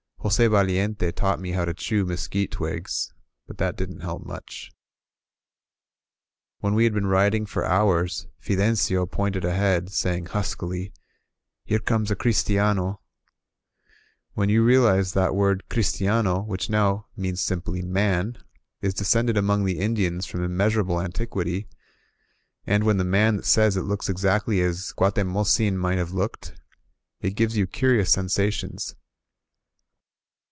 Jos6 Valiente taught me how to chew mesquite twigs, but that didn't help much. When we had been riding for hours, Fidencio pointed ahead, saying huskily: '^Here comes a christia/noV* When you realize that word christiano, which now means simply Man, is descended among the Indians from immeasurable antiquity, — ^and when the man that says it looks exactly as Guatemozin might have looked, it gives you curious sensations.